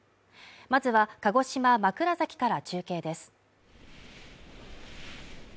まずは鹿児島枕崎から中継です